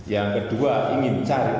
yang kedua ingin cari